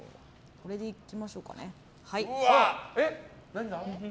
これでいきましょうか。